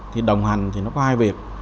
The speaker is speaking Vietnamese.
thì đồng hành có hai việc